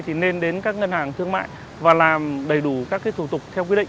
thì nên đến các ngân hàng thương mại và làm đầy đủ các cái thủ tục